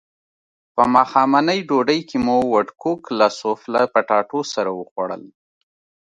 په ماښامنۍ ډوډۍ کې مو وډکوک له سوفله پټاټو سره وخوړل.